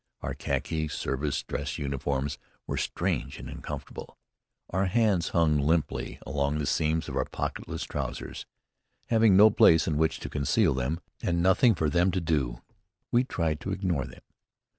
Our khaki service dress uniforms were strange and uncomfortable. Our hands hung limply along the seams of our pocketless trousers. Having no place in which to conceal them, and nothing for them to do, we tried to ignore them.